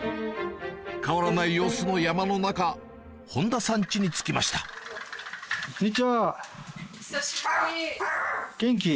変わらない様子の山の中本多さんチに着きました元気？